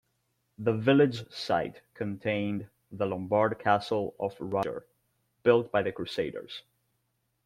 The village site contained the Lombard Castle of Roger, built by the Crusaders.